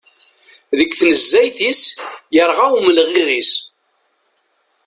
Deg tnezzayt-is, yerɣa umelɣiɣ-is.